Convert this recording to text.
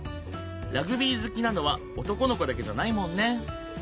ラグビー好きなのは男の子だけじゃないもんね。